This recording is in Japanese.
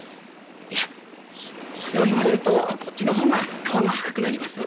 いやそれを言われるとこっちの方が顔が赤くなります。